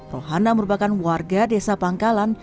rohana merupakan warga desa pangkalan